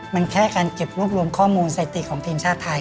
มันแค่การเก็บรวบรวมข้อมูลสถิติของทีมชาติไทย